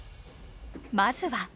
まずは。